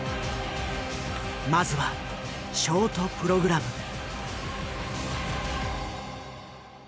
まずはショートプログラム。